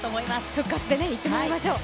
復活で行ってもらいましょう。